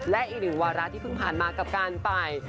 และอีกหนึ่งวาระที่เพิ่งผ่านมากับการไป